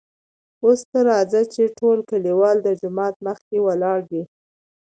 اوس ته راځه چې ټول کليوال دجومات مخکې ولاړ دي .